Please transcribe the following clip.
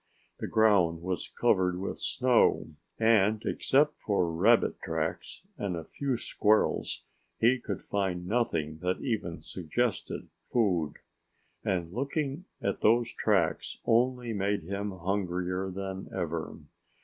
The ground was covered with snow. And except for rabbit tracks and a few squirrels' he could find nothing that even suggested food. And looking at those tracks only made him hungrier than ever.